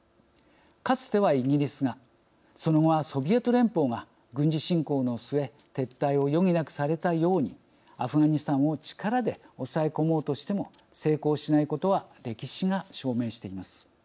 かつてはイギリスがその後はソビエト連邦が軍事侵攻の末撤退を余儀なくされたようにアフガニスタンを力で抑え込もうとしても成功しないことは歴史が証明しています。